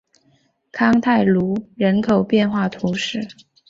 康泰卢人口变化图示